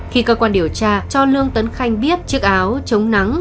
khi cơ quan điều tra cho lương tấn khanh biết chiếc áo chống nắng